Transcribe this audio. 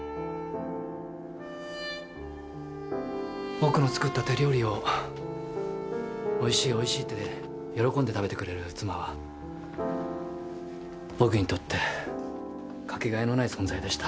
僕の作った手料理をおいしいおいしいって喜んで食べてくれる妻は僕にとってかけがえのない存在でした。